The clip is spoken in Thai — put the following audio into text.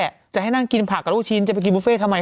อร่อยทั้งนั้นแหละ